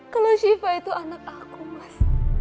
kalau shiva itu anak aku mas